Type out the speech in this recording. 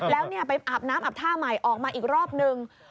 แล้วไปอาบน้ำอาบท่าใหม่ออกมาอีกรอบนึง